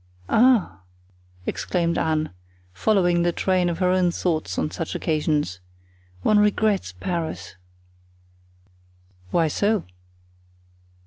"Ah!" exclaimed Anne, following the train of her own thoughts on such occasions, "one regrets Paris!" "Why so?"